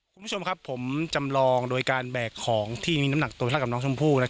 คุณผู้ชมครับผมจำลองโดยการแบกของที่มีน้ำหนักตัวเท่ากับน้องชมพู่